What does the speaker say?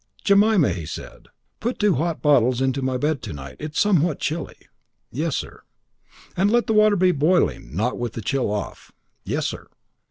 "Jemima," he said, "put two hot bottles into my bed to night. It is somewhat chilly." "Yes, sir." "And let the water be boiling not with the chill off." "Yes, sir."